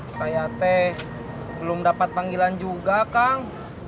saya teh belum dapat panggilan juga kang